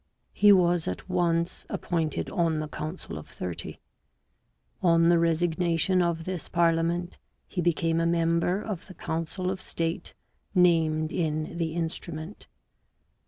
He was at once appointed on the council of thirty. On the resignation of this parliament he became a member of the council of state named in the " Instru ment."